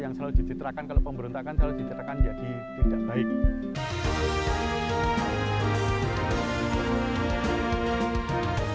yang selalu dicitrakan kalau pemberontakan selalu dicitrakan jadi tidak baik